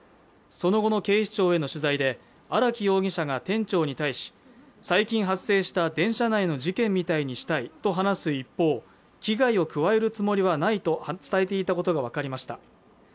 その後、警視庁への取材で荒木容疑者が店長に対し最近発生した電車内の事件みたいにしたいと話す一方、危害を加えるつもりはないと伝えていたことが分かりました。